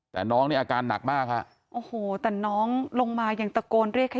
แต่น้องนี่อาการหนักมากฮะโอ้โหแต่น้องลงมายังตะโกนเรียกให้